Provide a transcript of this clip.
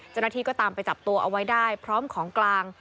เจ้าหน้าที่ก็ตามไปจับตัวเอาไว้ได้พร้อมของกลาง